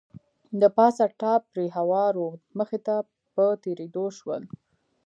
له پاسه ټاټ پرې هوار و، مخې ته په تېرېدو شول.